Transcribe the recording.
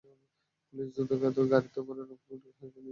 Police দ্রুত তাঁকে গাড়িতে করে রংপুর মেডিকেল কলেজ হাসপাতালে নিয়ে যায়।